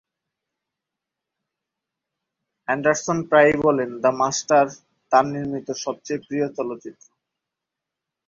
Anderson প্রায়ই বলেন "the master" তার নির্মিত সবচেয়ে প্রিয় চলচ্চিত্র।